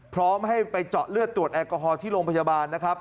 พร้อมให้ไปเจาะเลือดตรวจแอลกอฮอล์ที่โรงพยาบาลนะครับ